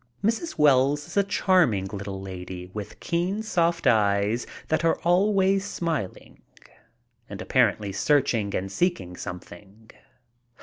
Mrs. Wells is a charming little lady with keen, soft eyes that are always smiling and apparently searching and seek ing something.